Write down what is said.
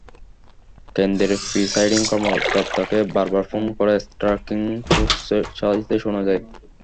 কেন্দ্রের প্রিসাইডিং কর্মকর্তাকে বারবার ফোন করে স্ট্রাইকিং ফোর্স চাইতে শোনা যায়।